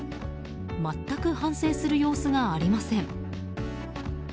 全く反省する様子がありません。